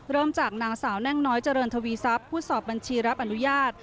เริ่มจากนางสาวแน่งน้อยเจริญทวีทรัพย์ผู้สอบบัญชีรับอนุญาต